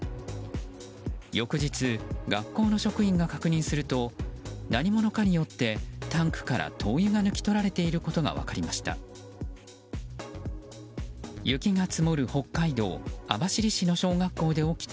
翌日、学校の職員が確認すると何者かによってタンクから灯油が抜き取られていることが分かりました。